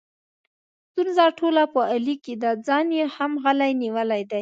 ستونزه ټوله په علي کې ده، ځان یې هم غلی نیولی دی.